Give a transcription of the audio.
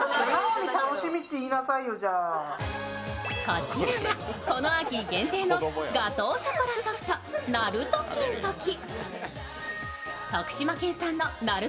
こちらが、この秋限定のガトーショコラソフトなると金時あら、いい顔する。